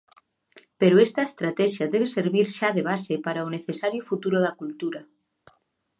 Pero esa estratexia debe servir xa de base para o necesario futuro da cultura.